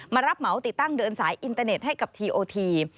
รับเหมาติดตั้งเดินสายอินเตอร์เน็ตให้กับทีโอที